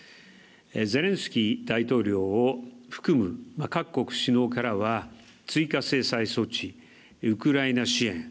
ゼレンスキー大統領を含む各国首脳からは追加制裁措置、ウクライナ支援。